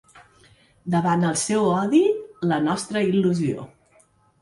Davant el seu odi, la nostra il·lusió.